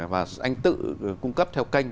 và anh tự cung cấp theo kênh